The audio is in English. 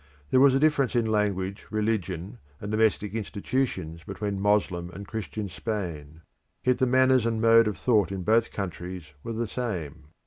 There was a difference in language, religion, and domestic institutions between Moslem and Christian Spain; yet the manners and mode of thought in both countries were the same.